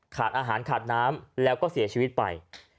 อาหารขาดน้ำแล้วก็เสียชีวิตไป